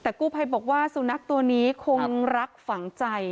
แต่กู้ภัยบอกว่าสุนัขตัวนี้คงรักฝังใจ